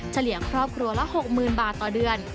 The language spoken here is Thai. เฉลี่ยครอบครัวละ๖๐๐๐บาทต่อเดือน